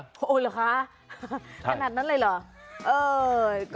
โอ้โหเหรอคะขนาดนั้นเลยเหรอ